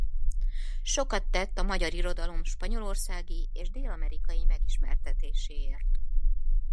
Sokat tett a magyar irodalom spanyolországi és dél-amerikai megismertetéséért.